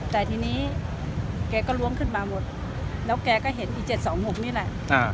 แต่ทีนี้แกก็ล้วงขึ้นมาหมดแล้วแกก็เห็นอีก๗๒๖นี่แหละ